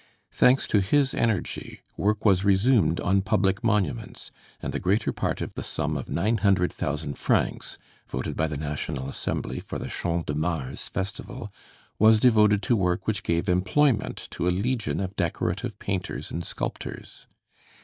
Thanks to his energy, work was resumed on public monuments, and the greater part of the sum of 900,000 francs, voted by the National Assembly for the Champs de Mars festival, was devoted to work which gave employment to a legion of decorative painters and sculptors.